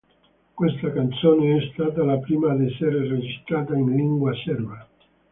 Questa canzone è stata la prima ad essere registrata in lingua serba.